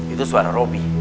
itu suara robi